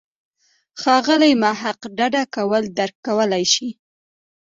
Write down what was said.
ښاغلی محق ډډه کول درک کولای شي.